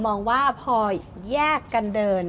มองว่าพอแยกกันเดิน